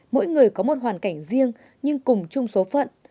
mỗi người có một hoàn cảnh riêng nhưng cùng chung số phận